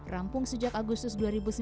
rampung sejak agustus dua ribu sembilan belas